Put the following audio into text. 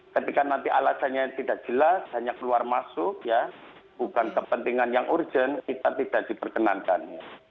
ketika nanti alasannya tidak jelas hanya keluar masuk ya bukan kepentingan yang urgent kita tidak diperkenankan